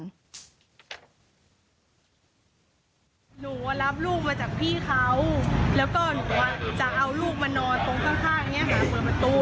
หนูเจอลูกมาจากพี่เขาแล้วก็เอาลูกมานอนข้างหาสู่ประตู